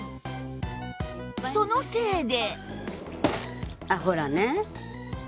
そのせいで